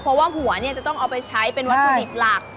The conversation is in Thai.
เพราะว่าหัวเนี่ยจะต้องเอาไปใช้เป็นวัตถุดิบหลัก